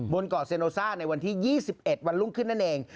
บนเกาะเซโนซ่าในวันที่๒๑วันรุ่งขึ้นนั่นเอง